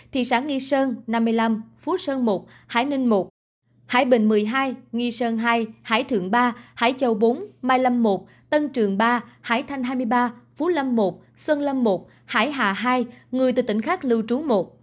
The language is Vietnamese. thị xã nghi sơn năm mươi năm phú sơn một hải ninh một hải bình một mươi hai nghi sơn hai hải thượng ba hải châu bốn mai lâm một tân trường ba hải thanh hai mươi ba phú lâm một xuân lâm một hải hà hai người từ tỉnh khác lưu trú một